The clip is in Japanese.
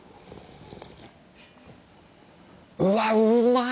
うわうまい。